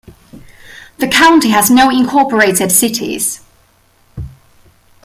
The county has no incorporated cities.